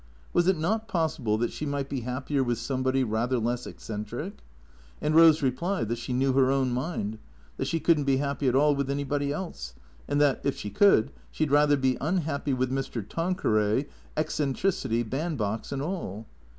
Was it not possible that she might be happier with some body rather less eccentric? And Eose replied that she knew her own mind ; that she could n't be happy at all with anybody else, and that, if she could, she 'd rather be unhappy with Mr. Tanqueray, eccentricity, band box and all.